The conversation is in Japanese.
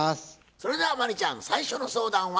それでは真理ちゃん最初の相談は？